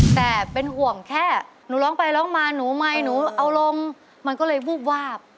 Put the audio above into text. แต่เป็นห่วงแค่หนูร้องไปร้องมาหนูไมค์หนูเอาลงมันก็เลยวูบวาบ